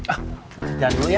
ah sejalan dulu ya